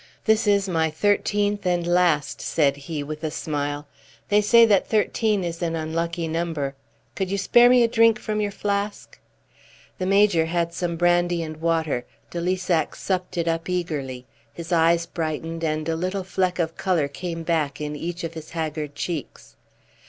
"This is my thirteenth and last," said he, with a smile. "They say that thirteen is an unlucky number. Could you spare me a drink from your flask?" The Major had some brandy and water. De Lissac supped it up eagerly. His eyes brightened, and a little fleck of colour came back in each of his haggard cheeks.